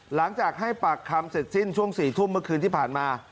หลังจากให้ปากคำเสร็จสิ้นช่วง๔ทุ่มเมื่อคืนที่ผ่านมา